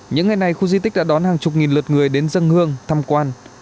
những ngày này khu di tích đã đón hàng chục nghìn lượt người đến dân hương thăm quan